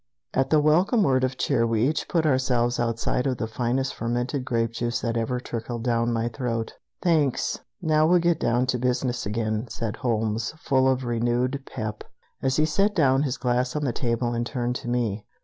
At the welcome word of cheer we each put ourselves outside of the finest fermented grape juice that had ever tickled my throat. "Thanks. Now we'll get down to business again," said Holmes, full of renewed "pep," as he set down his glass on the table and turned to me.